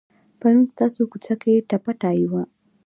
پرون ستاسو کوڅه کې ټپه ټایي وه.